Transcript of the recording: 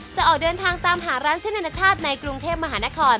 จะออกเดินทางตามหาร้านเส้นอนาชาติในกรุงเทพมหานคร